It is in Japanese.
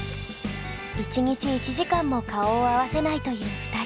１日１時間も顔を合わせないという２人。